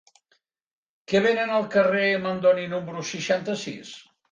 Què venen al carrer de Mandoni número seixanta-sis?